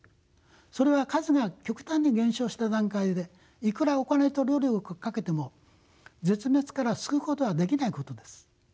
それは数が極端に減少した段階でいくらお金と労力をかけても絶滅から救うことはできないことです。